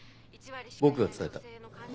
僕が伝えた。